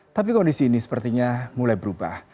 tapi kondisi ini sepertinya mulai berubah